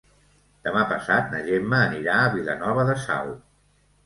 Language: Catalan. Demà passat na Gemma anirà a Vilanova de Sau.